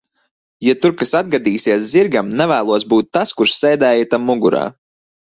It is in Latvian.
Ja tur kas atgadīsies zirgam, nevēlos būt tas, kurš sēdēja tam mugurā.